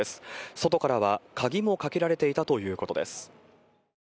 外からは鍵も掛けられていたということです。